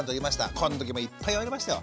この時もいっぱい言われましたよ。